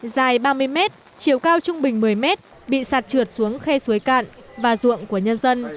dài ba mươi mét chiều cao trung bình một mươi mét bị sạt trượt xuống khe suối cạn và ruộng của nhân dân